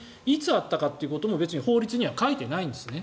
別に、いつあったかってことも法律には書いてないんですね。